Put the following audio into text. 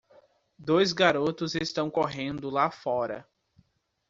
Dois garotos estão correndo lá fora.